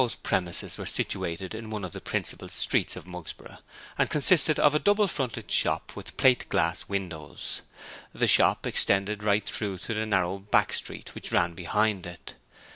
's premises were situated in one of the principal streets of Mugsborough and consisted of a double fronted shop with plate glass windows. The shop extended right through to the narrow back street which ran behind it.